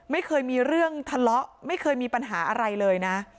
ไม่เคยมีเรื่องทะเลาะไม่เคยมีปัญหาอะไรเลยนะ